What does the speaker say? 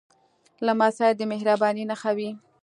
لمسی د مهربانۍ نښه وي.